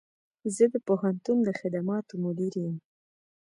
زه د پوهنتون د خدماتو مدیر یم